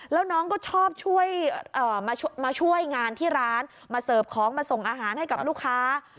แล้วน้องก็ชอบช่วยมาช่วยงานที่ร้านมาเสิร์ฟของมาส่งอาหารให้กับลูกค้า